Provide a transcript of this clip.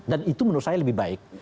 itu menurut saya lebih baik